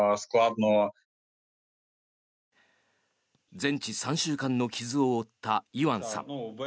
全治３週間の傷を負ったイワンさん。